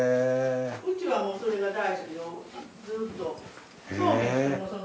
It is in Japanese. うちはもうそれが大好きでずっと。